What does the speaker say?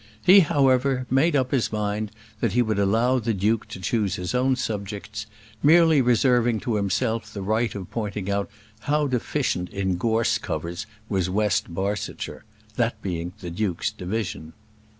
He, however, made up his mind that he would allow the duke to choose his own subjects; merely reserving to himself the right of pointing out how deficient in gorse covers was West Barsetshire that being the duke's division.